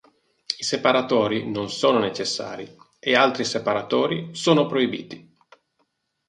I separatori non sono necessari, e altri separatori sono proibiti.